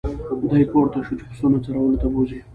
دی پورته شو چې پسونه څرولو ته بوزي.